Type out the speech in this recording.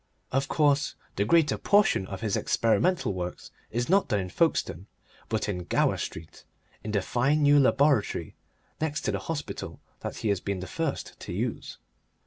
Of course, the greater portion of his experimental work is not done in Folkestone, but in Gower Street, in the fine new laboratory next to the hospital that he has been the first to use.